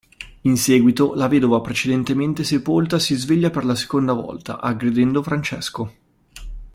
In seguito, la vedova precedentemente sepolta si sveglia per la seconda volta, aggredendo Francesco.